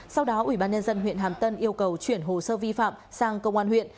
sau đó ubnd huyện hàm tân yêu cầu chuyển hồ sơ vi phạm sang công an huyện